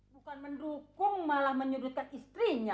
bukan mendukung malah menyurutkan istrinya